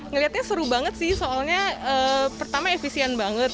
ngelihatnya seru banget sih soalnya pertama efisien banget